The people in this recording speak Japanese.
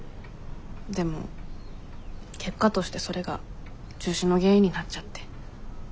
でも結果としてそれが中止の原因になっちゃって。